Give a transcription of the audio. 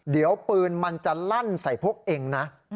เดี๋ยวปืนมันจะลั่นใส่พวกเองนะ